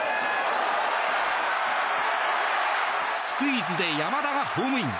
スクイズで山田がホームイン。